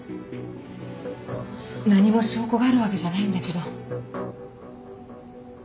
何も証拠があるわけじゃないんだけど。